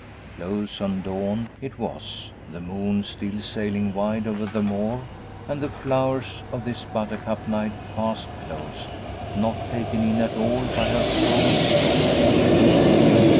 Close on dawn it was, the moon still sailing wide over the moor, and the flowers of this 'buttercup night' fast closed, not taken in at all by her cold glory!